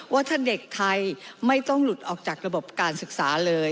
ว่าถ้าเด็กไทยไม่ต้องหลุดออกจากระบบการศึกษาเลย